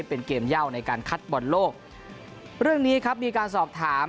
เป็นเกมเย่าในการคัดบอลโลกเรื่องนี้ครับมีการสอบถาม